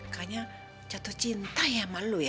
kayaknya jatuh cinta ya sama lu ya